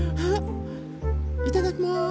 いただきます。